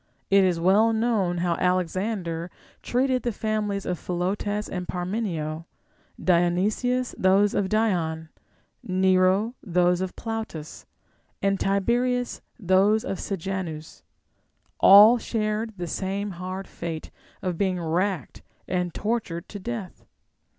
It is well known how Alexander treated the familiars of Philotas and Par menio ; Dionysius, those of Dion ; Nero, those of Plautus ; and Tiberius, those of Sejanus ; all shared the same hard fate of being racked and tortured to death.